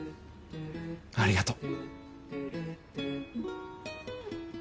ありがとう。